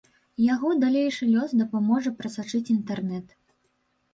Яго далейшы лёс дапаможа прасачыць інтэрнэт.